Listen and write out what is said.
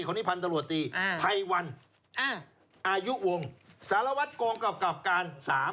พันธุ์ตำรวจตรีไทวันอายุวงสารวัตรกรกรกรกรการ๓